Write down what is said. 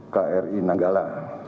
kapal selam kita kri nanggala